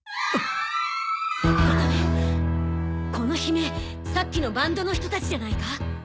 ・この悲鳴さっきのバンドの人たちじゃないか？